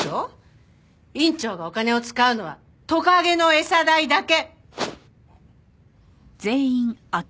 院長がお金を使うのはトカゲの餌代だけ。